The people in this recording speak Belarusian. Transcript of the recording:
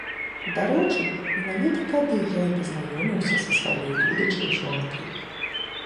Дарэчы, менавіта тады я і пазнаёміўся са сваёй будучай жонкай.